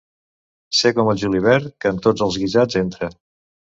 Ser com el julivert, que en tots els guisats entra.